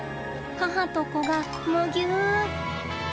母と子がむぎゅ！